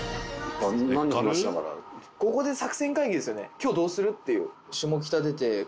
「今日どうする？」っていう。